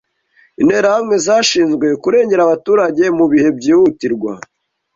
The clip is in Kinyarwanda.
Interahamwe zashinzwe kurengera abaturage mu bihe byihutirwa.